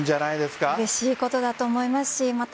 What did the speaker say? うれしいことだと思いますしまた